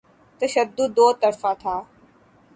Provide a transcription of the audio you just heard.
تشدد دوطرفہ تھا۔